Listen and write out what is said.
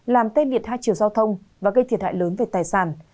làm tê liệt hai chiều giao thông và gây thiệt hại lớn về tài sản